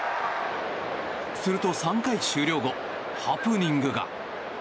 すると３回終了後ハプニングが。